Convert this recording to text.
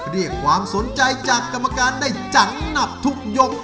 เรียกความสนใจจากกรรมการได้จังหนับทุกยก